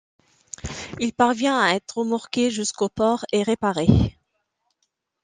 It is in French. Il parvient à être remorqué jusqu'au port et réparé.